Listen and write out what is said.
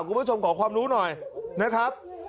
คุณผู้ชมขอความรู้หน่อยนะครับ